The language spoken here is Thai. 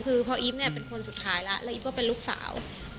คือพออีฟเนี่ยเป็นคนสุดท้ายแล้วแล้วอีฟก็เป็นลูกสาว